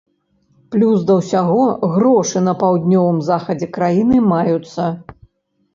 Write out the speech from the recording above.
Плюс да ўсяго грошы на паўднёвым захадзе краіны маюцца.